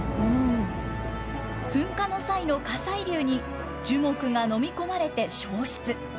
噴火の際の火砕流に、樹木が飲み込まれて焼失。